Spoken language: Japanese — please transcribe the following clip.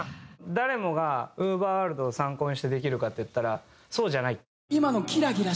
誰もがＵＶＥＲｗｏｒｌｄを参考にしてできるかっていったらそうじゃない。